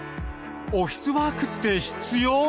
オフィスワークって必要？